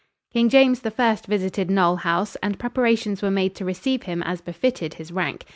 King James I visited Knole House and preparations were made to receive him as befitted his rank.